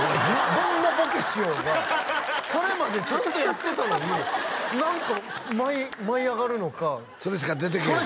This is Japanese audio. どんなボケしようがそれまでちゃんとやってたのに何か舞い上がるのかそれしか出てけえへん